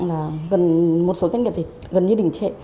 là một số doanh nghiệp gần như đỉnh trệ